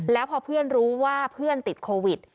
แล้วพอเพื่อนรู้ว่าเพื่อนติดโควิด